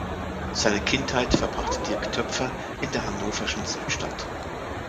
Seine Kindheit verbrachte Dirk Toepffer in der hannoverschen Südstadt.